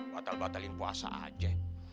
batal batalin puasa aja